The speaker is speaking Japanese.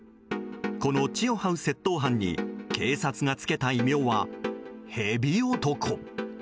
この地をはう窃盗犯に警察が付けた異名はヘビ男。